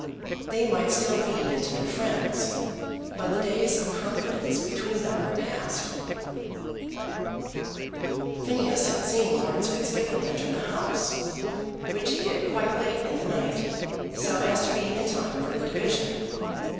They might still be intimate friends, but the days of confidence between them were passed. Phineas had seen Laurence Fitzgibbon enter the House, which he did quite late in the night, so as to be in time for the division.